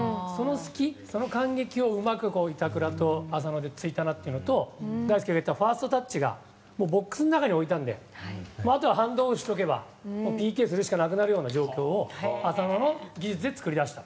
その間隙をうまく板倉と浅野で突いたなというのと大輔が言ったファーストタッチがもう、ボックスの中に置いたのであとはハンドオフすればというところを浅野の技術で作り出した。